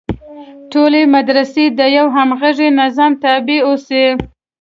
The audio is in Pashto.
ټولې مدرسې د یوه همغږي نظام تابع اوسي.